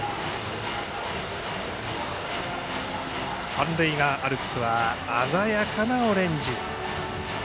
三塁側アルプスは鮮やかなオレンジ。